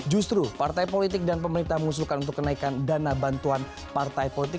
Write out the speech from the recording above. justru partai politik dan pemerintah mengusulkan untuk kenaikan dana bantuan partai politik